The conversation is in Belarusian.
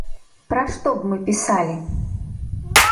Пра што б мы пісалі?